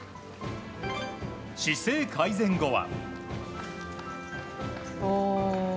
姿勢改善後は。